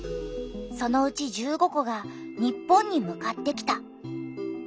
そのうち１５個が日本に向かってきた。